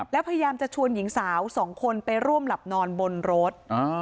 แล้วพยายามจะชวนหญิงสาวสองคนไปร่วมหลับนอนบนรถ